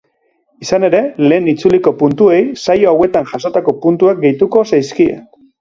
Izan ere, lehen itzuliko puntuei, saio hauetan jasotako puntuak gehituko zaizkie.